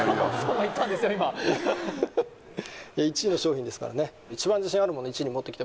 今１位の商品ですからね